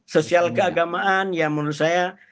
sosial keagamaan yang menurut saya